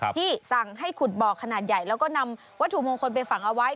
ที่สั่งให้ขุดบ่อขนาดใหญ่แล้วก็นำวัตถุมงคลไปฝังเอาไว้